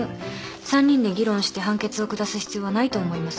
３人で議論して判決を下す必要はないと思います。